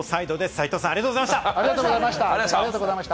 斉藤さん、ありがとうございました。